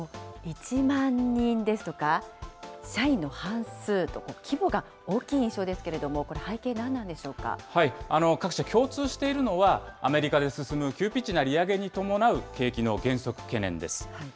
１万人ですとか、社員の半数と、規模が大きい印象ですけれども、これ、各社共通しているのは、アメリカで進む急ピッチな利上げに伴う景気の減速懸念です。